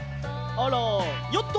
あらヨット！